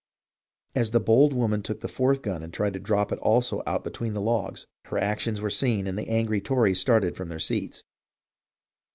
As the bold woman took the fourth gun and tried to drop that also out between the logs, her actions were seen and the angry Tories started from their seats.